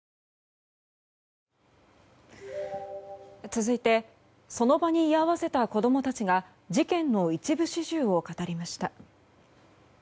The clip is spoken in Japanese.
続いてその場に居合わせた子供たちが事件の一部始終を語りました。